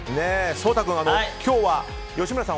颯太君、今日は吉村さん